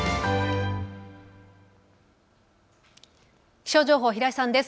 気象情報、平井さんです。